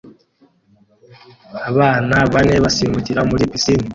Abana bane basimbukira muri pisine